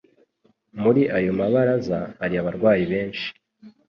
Muri ayo mabaraza hari abarwayi benshi,